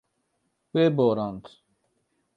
Wê borand.